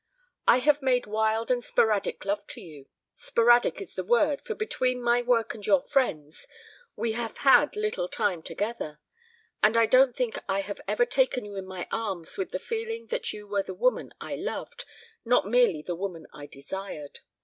I have made wild and sporadic love to you sporadic is the word, for between my work and your friends, we have had little time together and I don't think I have ever taken you in my arms with the feeling that you were the woman I loved, not merely the woman I desired.